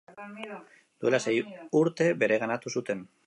Duela sei urte bereganatu zuten.